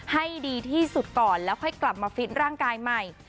ให้ดีที่สุดก่อนแล้วค่อยกลับมาฟิตร่างกายใหม่